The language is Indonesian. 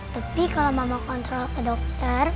tapi kalau mama kontrol ke dokter